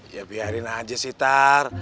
ya biarin aja sitar